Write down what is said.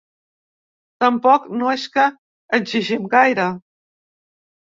Tampoc no és que exigim gaire.